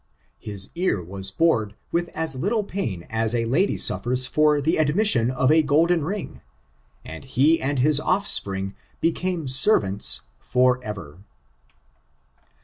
His ear was bored with as little pain as a lady suffers for the admission of a golden ring, and he and his offipring became servants " for ever."